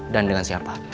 dan dengan siapa